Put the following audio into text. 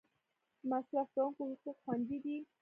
د مصرف کونکو حقوق خوندي دي؟